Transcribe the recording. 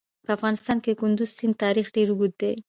په افغانستان کې د کندز سیند تاریخ ډېر اوږد دی.